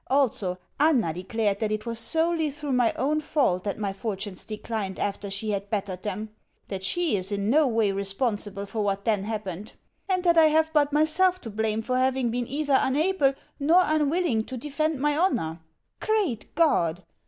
Also, Anna declared that it was solely through my own fault that my fortunes declined after she had bettered them; that she is in no way responsible for what then happened; and that I have but myself to blame for having been either unable or unwilling to defend my honour. Great God!